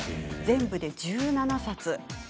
全部で１７冊。